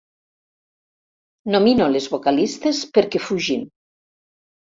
Nomino les vocalistes perquè fugin.